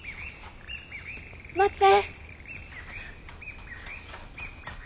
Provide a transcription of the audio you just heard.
待って！